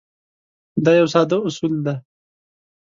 دا یو ساده اصول دی.